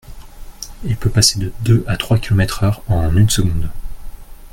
Il peut passer de deux à trois kilomètres-heure en une seconde.